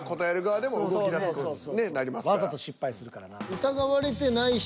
ワザと失敗するからなぁ。